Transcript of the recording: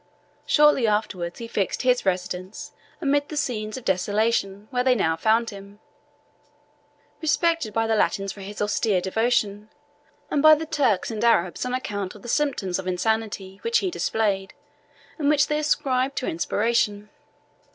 Shortly afterwards, he fixed his residence amid the scenes of desolation where they now found him, respected by the Latins for his austere devotion, and by the Turks and Arabs on account of the symptoms of insanity which he displayed, and which they ascribed to inspiration.